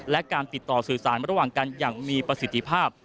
และการติดต่อสื่อสารระหว่างกันอย่างมีประสิทธิภาพ